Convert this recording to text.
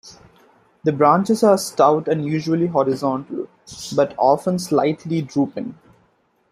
The branches are stout and usually horizontal, but often slightly drooping.